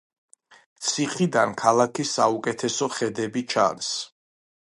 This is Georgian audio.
ციხიდან ქალაქის საუკეთესო ხედები ჩანს.